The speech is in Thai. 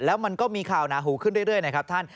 แล้วมันก็มีข่าวหนาหูขึ้นเรื่อยนะครับท่าน